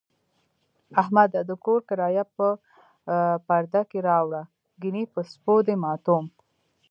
احمده! د کور کرایه په پرده کې راوړه، گني په سپو دې ماتوم.